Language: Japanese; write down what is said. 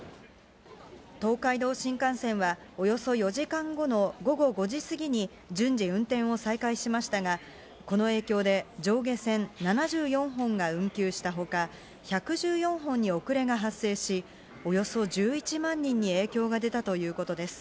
東海道新幹線はおよそ４時間後の午後５時過ぎに順次運転を再開しましたが、この影響で上下線７４本が運休したほか、１１４本に遅れが発生し、およそ１１万人に影響が出たということです。